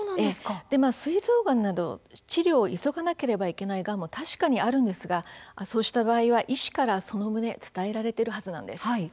すい臓がんなど治療を急がなければいけないがんも、もちろんあるんですがその場合は医師から、その旨を伝えられているはずなんです。